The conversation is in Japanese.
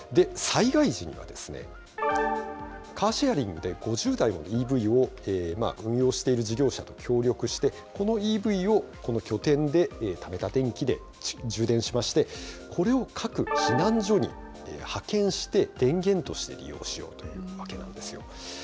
災害時には、カーシェアリングで５０台のＥＶを運用している事業者と協力して、このＥＶを、この拠点でためた電気で充電しまして、これを各避難所に派遣して、電源として利用しようというわけなんですよ。